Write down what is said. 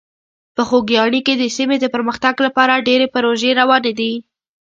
په خوږیاڼي کې د سیمې د پرمختګ لپاره ډېرې پروژې روانې دي.